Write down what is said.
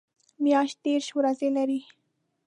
میاشت دېرش ورځې لري